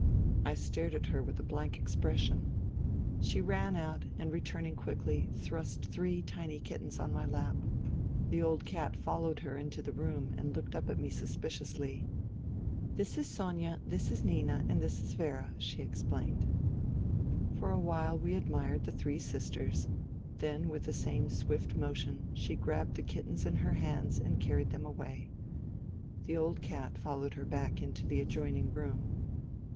" I stared at her with blank expression. She ran out, and returning quickly, thrust three tiny kittens on my lap. The old cat followed her into the room and looked up at me suspiciously. "This is Sonia. This is Nina. This is Vera," she explained. For a while we admired the '* three sisters "; then with the same swift motion, she grabbed the kittens in her hands and carried them away. The old cat followed her back into the adjoining room.